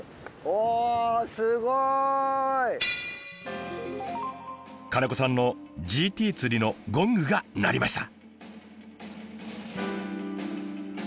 おすごい。金子さんのＧＴ釣りのゴングが鳴りました。